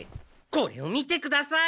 これを見てください！